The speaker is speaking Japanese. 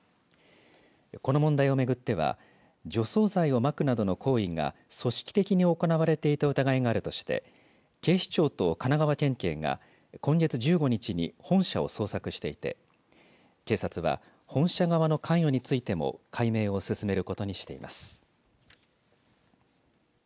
この問題を巡っては除草剤をまくなどの行為が組織的に行われていた疑いがあるとして警視庁と神奈川県警が今月１５日に本社を捜索していて警察は本社側の関与についても解明を進めることにしています。